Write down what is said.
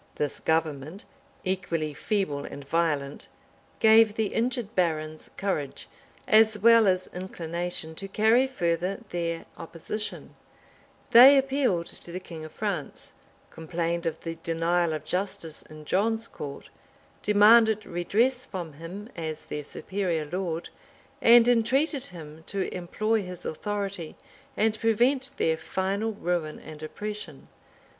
This government, equally feeble and violent, gave the injured barons courage, as well as inclination, to carry further their opposition: they appealed to the king of France; complained of the denial of justice in John's court; demanded redress from him as their superior lord; and entreated him to employ his authority, and prevent their final ruin and oppression.